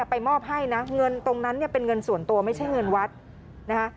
ไปมอบให้นะเงินตรงนั้นเนี่ยเป็นเงินส่วนตัวไม่ใช่เงินวัดนะคะ